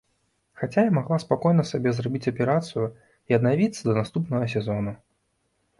Хаця я магла спакойна сабе зрабіць аперацыю і аднавіцца да наступнага сезону.